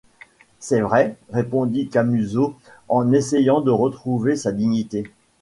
C’est vrai, répondit Camusot en essayant de retrouver sa dignité.